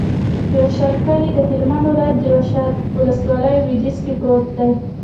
د واشر کلی د هلمند ولایت، واشر ولسوالي په لویدیځ کې پروت دی.